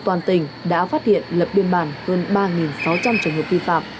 toàn tỉnh đã phát hiện lập biên bản hơn ba sáu trăm linh trường hợp vi phạm